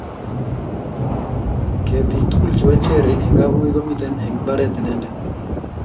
Ketiik tugul chebo Cherry eng' kapngui komitei eng imbaret inendet.